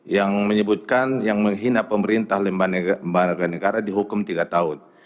yang menyebutkan yang menghina pemerintah lembaga negara dihukum tiga tahun